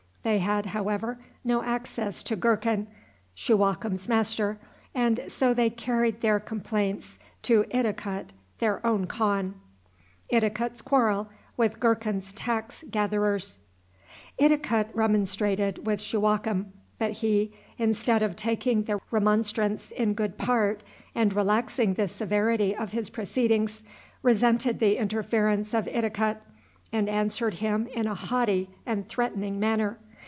They had, however, no access to Gurkhan, Shuwakem's master, and so they carried their complaints to Idikut, their own khan. Idikut remonstrated with Shuwakem, but he, instead of taking the remonstrance in good part and relaxing the severity of his proceedings, resented the interference of Idikut, and answered him in a haughty and threatening manner.